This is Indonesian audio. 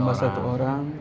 nambah satu orang